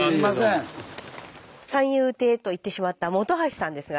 「三遊亭」と言ってしまった本橋さんですが。